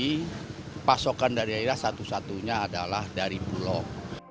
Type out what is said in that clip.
jadi pasokan daerah daerah satu satunya adalah dari bulog